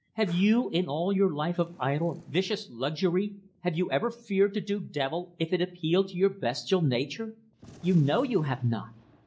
Have you in all your life of idle, vicious, luxury have you ever feared to do evil if it appealed to your bestial nature? You know you have not.